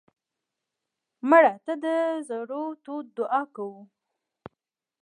مړه ته د زړه تود دعا کوو